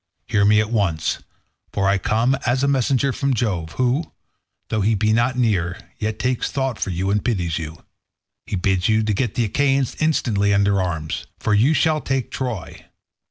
Hear me at once, for I come as a messenger from Jove, who, though he be not near, yet takes thought for you and pities you. He bids you get the Achaeans instantly under arms, for you shall take Troy.